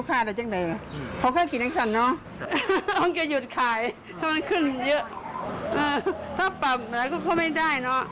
คนแพงค่อนข้างก็ไม่ซื้อกินการส้มตำ